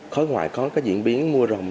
khối ngoại có diễn biến mua rộng